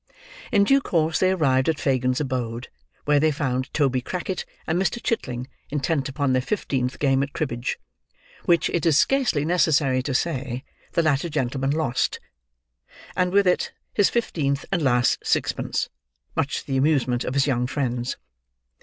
In due course, they arrived at Fagin's abode, where they found Toby Crackit and Mr. Chitling intent upon their fifteenth game at cribbage, which it is scarcely necessary to say the latter gentleman lost, and with it, his fifteenth and last sixpence: much to the amusement of his young friends.